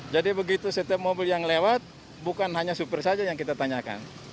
jadi begitu setiap mobil yang lewat bukan hanya supir saja yang kita tanyakan